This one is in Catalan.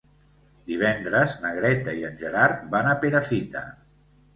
Divendres na Greta i en Gerard van a Perafita.